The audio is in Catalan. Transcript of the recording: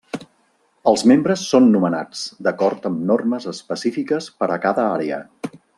Els membres són nomenats d'acord amb normes específiques per a cada àrea.